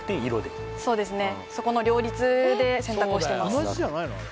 そこの両立で選択をしてます